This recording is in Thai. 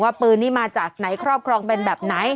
ปืนนี้มาจากไหนครอบครองเป็นแบบไหน